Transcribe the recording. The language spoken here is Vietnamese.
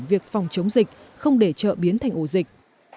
việc phòng chống dịch không để chợ biến thành ổ dịch